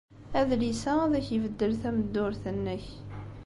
Adlis-a ad ak-ibeddel tameddurt-nnek.